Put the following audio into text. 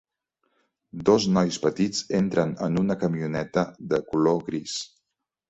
Dos nois petits entren en una camioneta de color gris.